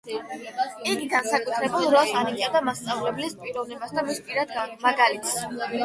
იგი განსაკუთრებულ როლს ანიჭებდა მასწავლებლის პიროვნებას და მის პირად მაგალითს.